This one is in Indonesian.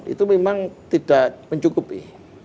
itu memang tidak mencukupi